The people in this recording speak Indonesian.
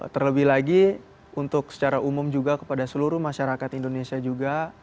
terlebih lagi untuk secara umum juga kepada seluruh masyarakat indonesia juga